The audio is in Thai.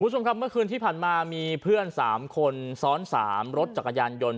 คุณผู้ชมครับเมื่อคืนที่ผ่านมามีเพื่อน๓คนซ้อน๓รถจักรยานยนต์